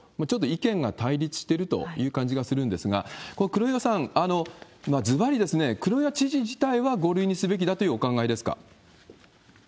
ちょっと意見が対立しているという感じがするんですが、黒岩さん、ずばり、黒岩知事自体は５類にすべきだというお考えですか。